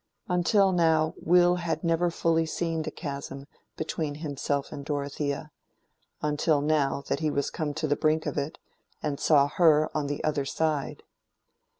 Until now Will had never fully seen the chasm between himself and Dorothea—until now that he was come to the brink of it, and saw her on the other side.